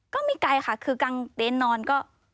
ก็ไม่ไกลค่ะคือกลางเต็นต์นอนก็